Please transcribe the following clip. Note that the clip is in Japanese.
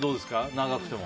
長くても。